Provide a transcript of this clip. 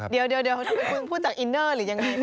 ถ้าเป็นคนพูดจากอินเนอร์หรือยังไง